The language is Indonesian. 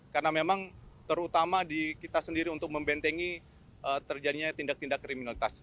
karena memang terutama di kita sendiri untuk membentengi terjadinya tindak tindak kriminalitas